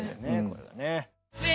これがね。